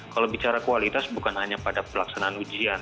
kalau bicara kualitas bukan hanya pada pelaksanaan ujian